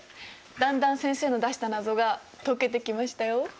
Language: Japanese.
だんだん先生の出した謎が解けてきましたよ。